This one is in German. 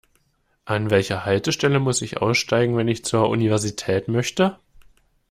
An welcher Haltestelle muss ich aussteigen, wenn ich zur Universität möchte?